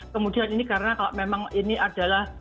kemudian ini karena kalau memang ini adalah